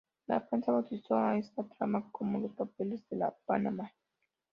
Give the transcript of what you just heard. La prensa bautizó a esta trama como "los Papeles de Panamá".